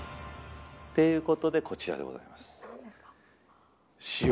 ということでこちらでございます。